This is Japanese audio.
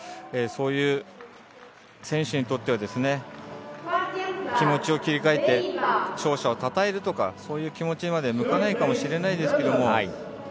そういう選手にとっては気持ちを切り替えて勝者をたたえるとかいう気持ちにまでは向かないかもしれないですけど